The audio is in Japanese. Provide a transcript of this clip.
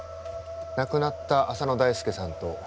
亡くなった浅野大輔さんと